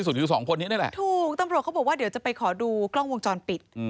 ใช่ตำรวจเขาบอกว่าเดี๋ยวจะไปขอดูกล้องวงจรปิด